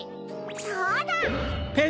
そうだ！